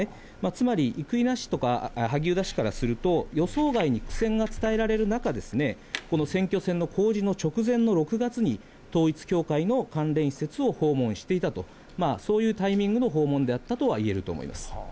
つまり、生稲氏とか萩生田氏からすると、予想外に苦戦が伝えられる中、この選挙戦の公示の直前の６月に、統一教会の関連施設を訪問していたと、そういうタイミングの訪問であったとは言えると思います。